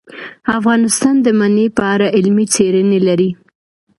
افغانستان د منی په اړه علمي څېړنې لري.